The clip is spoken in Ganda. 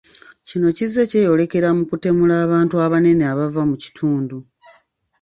kino kizze kyeyolekera mu kutemula abantu abanene abava mu kitundu.